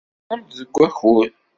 Tewwḍeḍ-d deg wakud.